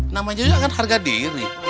namanya juga kan harga diri